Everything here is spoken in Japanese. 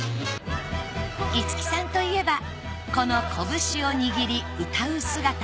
五木さんといえばこの拳を握り歌う姿。